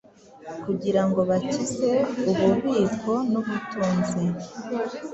kugirango bakize ububiko-nubutunzi